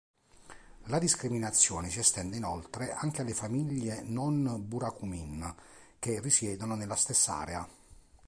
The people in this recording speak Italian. La discriminazione si estende inoltre anche alle famiglie non-"burakumin" che risiedono nella stessa area.